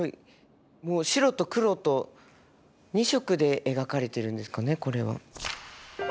もう白と黒と２色で描かれてるんですかねこれは。